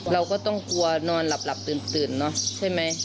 เราก็ต้องกลัวนอนหลับตื่นเนอะใช่ไหม